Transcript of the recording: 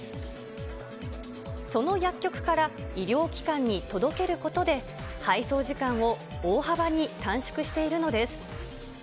その薬局から医療機関に届けることで、配送時間を大幅に短縮しているのです。